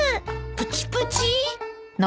プチプチ？